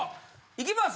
いきます。